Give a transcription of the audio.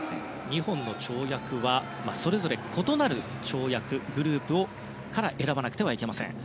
２本の跳躍はそれぞれ異なるグループから選ばなくてはいけません。